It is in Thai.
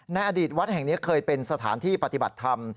ในอดีตวัดแห่งนี้เคยเป็นสถานที่ปฏิบัติธรรม